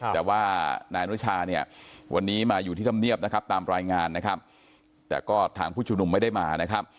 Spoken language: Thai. แต่ว่านายนุชาวันนี้มาอยู่ที่ธรรมเนียบตามรายงานแต่ก็ทางผู้ชุมหนุ่มไม่ได้มา